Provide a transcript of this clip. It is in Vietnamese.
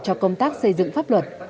cho công tác xây dựng pháp luật